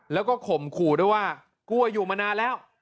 แล้วก็ข่มขู่ด้วยว่ากลัวอยู่มานานแล้ว